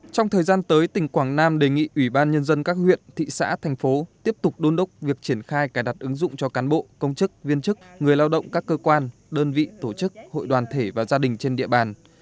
trong thời gian tới tỉnh quảng nam đề nghị ủy ban nhân dân các huyện thị xã thành phố tiếp tục đôn đốc việc triển khai cài đặt ứng dụng cho cán bộ công chức viên chức người lao động các cơ quan đơn vị tổ chức hội đoàn thể và gia đình trên địa bàn